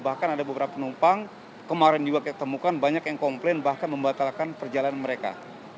bahkan ada beberapa penumpang kemarin juga kita temukan banyak yang komplain bahkan membatalkan perjalanan mereka